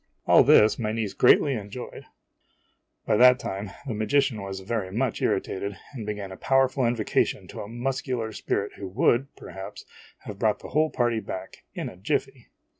All this my niece greatly enjoyed. IMAGINOTIONS By that time, the magician was very much irritated and began a powerful invocation to a muscular spirit who would, perhaps, have brought the whole party back, in a jiffy!